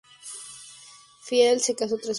Field se casó tres veces.